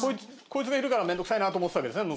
こいつがいるから面倒くさいなと思ってたわけですね。